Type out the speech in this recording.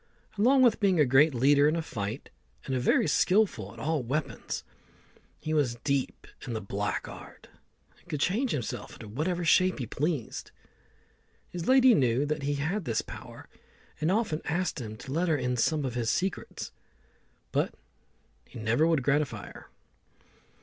Along with being a great leader in a fight, and very skilful at all weapons, he was deep in the black art, and could change himself into whatever shape he pleased. His lady knew that he had this power, and often asked him to let her into some of his secrets, but he never would gratify her.